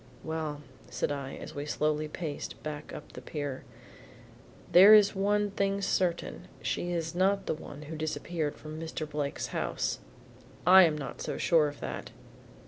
"Well," said I as we slowly paced back up the pier, "there is one thing certain, she is not the one who disappeared from Mr. Blake's house." "I am not so sure of that."